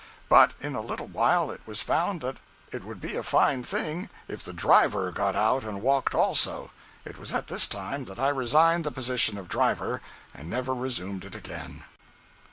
But in a little while it was found that it would be a fine thing if the drive got out and walked also. It was at this time that I resigned the position of driver, and never resumed it again.